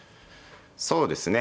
そうですね。